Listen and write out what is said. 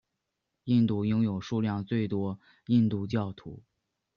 印度拥有数量最多印度教徒。